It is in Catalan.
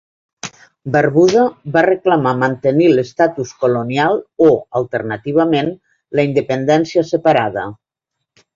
Barbuda va reclamar mantenir l'estatus colonial o alternativament la independència separada.